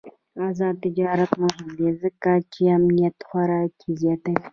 آزاد تجارت مهم دی ځکه چې امنیت خوراکي زیاتوي.